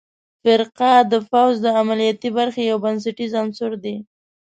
فرقه د پوځ د عملیاتي برخې یو بنسټیز عنصر دی.